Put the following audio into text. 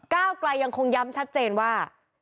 ก้าวไกลยังคงย้ำชัดเจนว่า